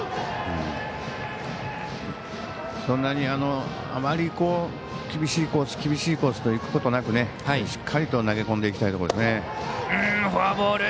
そんなにあまり厳しいコースといくことなく、しっかりと投げ込んでいきたいところですね。